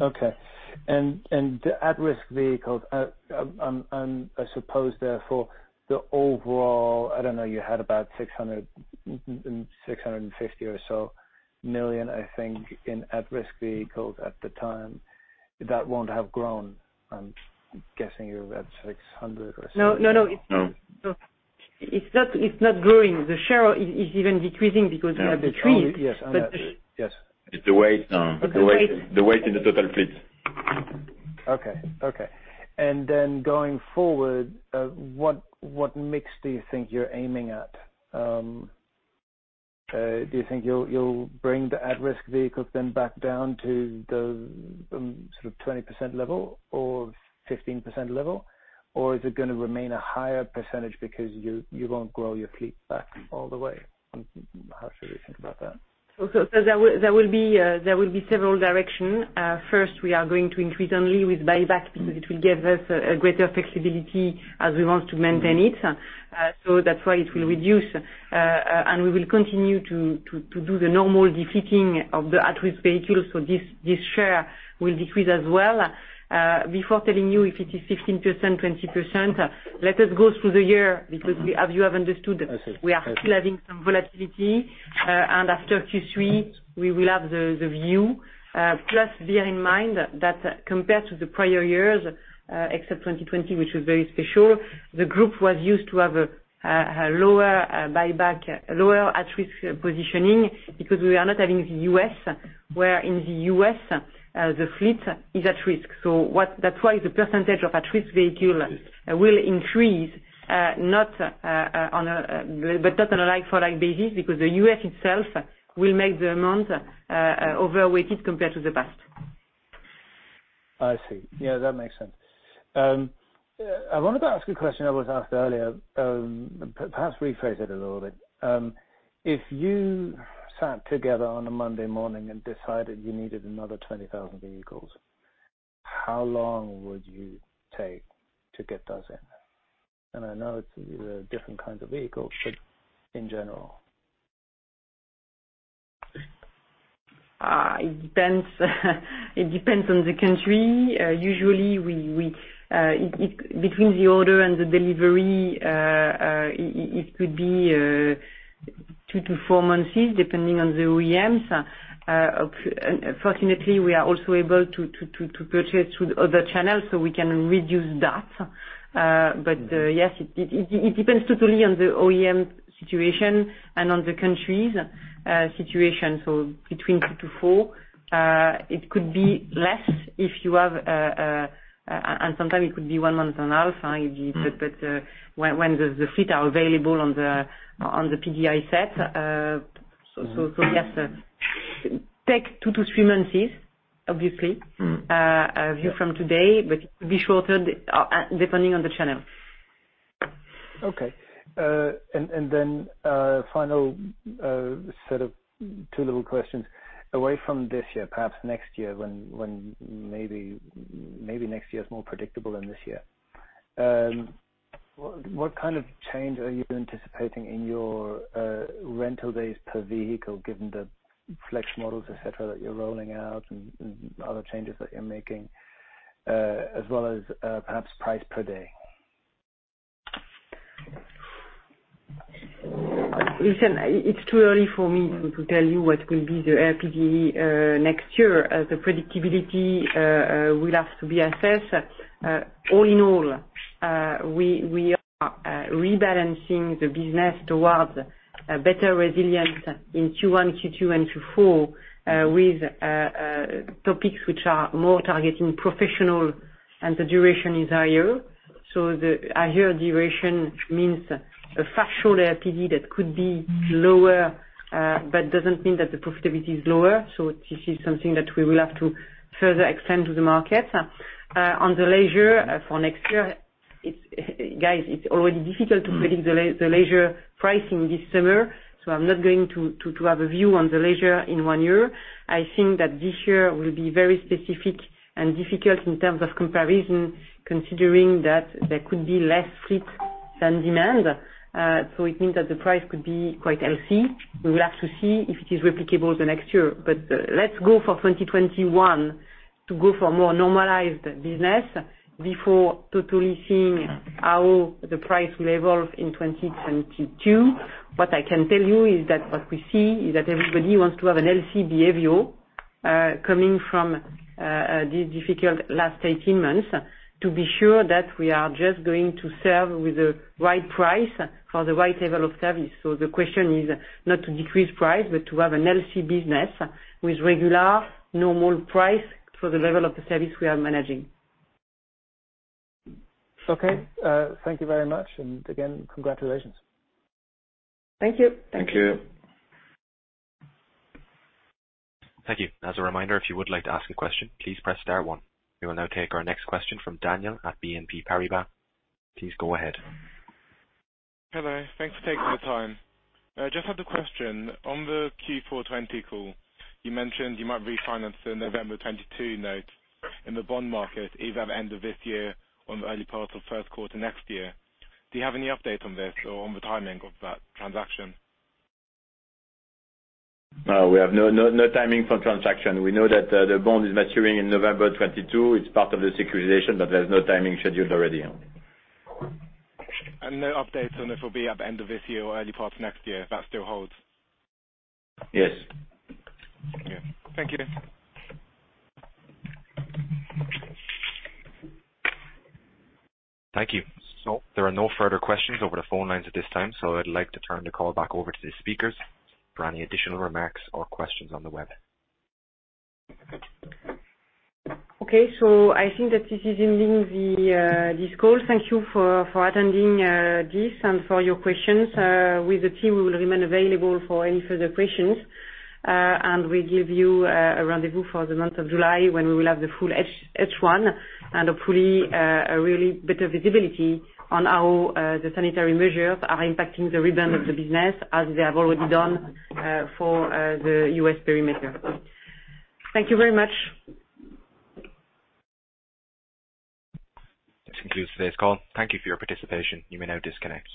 Okay. At-risk vehicles, I suppose therefore, the overall, I don't know, you had about 650 million or so, I think, in at-risk vehicles at the time. That won't have grown. I'm guessing you're at 600 million or so. No. No. It's not growing. The share is even decreasing because we have decreased. Yes. It's the Okay the weight in the total fleet. Okay. Going forward, what mix do you think you're aiming at? Do you think you'll bring the at-risk vehicles then back down to the sort of 20% level or 15% level? Or is it going to remain a higher percentage because you won't grow your fleet back all the way? How should we think about that? There will be several direction. First, we are going to increase only with buyback because it will give us a greater flexibility as we want to maintain it. That's why it will reduce, and we will continue to do the normal de-fleeting of the at-risk vehicles. This share will decrease as well. Before telling you if it is 15%, 20%, let us go through the year because as you have understood. I see. we are still having some volatility. After Q3, we will have the view. Plus, bear in mind that compared to the prior years, except 2020, which was very special, the group was used to have a lower buyback, lower at-risk positioning because we are not having the U.S., where in the U.S., the fleet is at risk. That's why the percentage of at-risk vehicle will increase, but not on a like-for-like basis because the U.S. itself will make the amount overweight compared to the past. I see. Yeah, that makes sense. I wanted to ask a question I was asked earlier, perhaps rephrase it a little bit. If you sat together on a Monday morning and decided you needed another 20,000 vehicles, how long would you take to get those in? I know it's different kinds of vehicles, but in general. It depends on the country. Usually, between the order and the delivery, it could be two-four months, depending on the OEMs. Fortunately, we are also able to purchase with other channels, so we can reduce that. Yes, it depends totally on the OEM situation and on the country's situation. Between two-four months. It could be less, and sometimes it could be one month and a half when the fleet are available on the PDI sit. Yes, take two-three months, obviously. View from today, but it could be shorter depending on the channel. Final set of two little questions. Away from this year, perhaps next year, when maybe next year is more predictable than this year. What kind of change are you anticipating in your rental days per vehicle, given the Flex models, et cetera that you're rolling out and other changes that you're making, as well as perhaps price per day? Listen, it's too early for me to tell you what will be the RPD next year. The predictability will have to be assessed. All in all, we are rebalancing the business towards a better resilience in Q1, Q2, and Q4, with topics which are more targeting professional and the duration is higher. The higher duration means a factual RPD that could be lower, but doesn't mean that the profitability is lower. This is something that we will have to further extend to the market. On the leisure for next year, guys, it's already difficult to predict the leisure pricing this summer, I'm not going to have a view on the leisure in one year. I think that this year will be very specific and difficult in terms of comparison, considering that there could be less fleet than demand. It means that the price could be quite healthy. We will have to see if it is replicable the next year. Let's go for 2021 to go for more normalized business before totally seeing how the price will evolve in 2022. What I can tell you is that what we see is that everybody wants to have a healthy behavior coming from this difficult last 18 months to be sure that we are just going to serve with the right price for the right level of service. The question is not to decrease price, but to have a healthy business with regular normal price for the level of the service we are managing. Okay. Thank you very much, and again, congratulations. Thank you. Thank you. Thank you. As a reminder, if you would like to ask a question, please press star one. We will now take our next question from Daniel at BNP Paribas. Please go ahead. Hello. Thanks for taking the time. I just had a question. On the Q4 2020 call, you mentioned you might refinance the November 2022 note in the bond market, either at end of this year or in the early part of 1st quarter next year. Do you have any update on this or on the timing of that transaction? No, we have no timing for transaction. We know that the bond is maturing in November 2022. It's part of the securitization, but there's no timing scheduled already. No updates on if it'll be at end of this year or early part of next year. That still holds? Yes. Okay. Thank you. Thank you. There are no further questions over the phone lines at this time, so I'd like to turn the call back over to the speakers for any additional remarks or questions on the web. Okay, I think that this is ending this call. Thank you for attending this and for your questions. With the team, we will remain available for any further questions. We give you a rendezvous for the month of July when we will have the full H1 and hopefully, a really better visibility on how the sanitary measures are impacting the rebound of the business as they have already done for the U.S. perimeter. Thank you very much. This concludes today's call. Thank you for your participation. You may now disconnect.